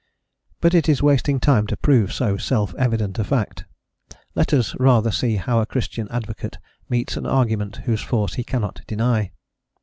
But it is wasting time to prove so self evident a fact: let us rather see how a Christian advocate meets an argument whose force he cannot deny.